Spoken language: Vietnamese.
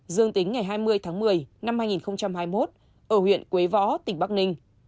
dương tính ngày hai mươi tháng một mươi năm hai nghìn hai mươi một ở huyện quế võ tỉnh bắc ninh